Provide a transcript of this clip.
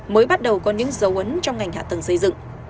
mới bắt đầu có những dấu ấn trong ngành hạ tầng xây dựng